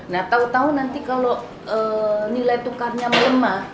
nah tahu tahu nanti kalau nilai tukarnya melemah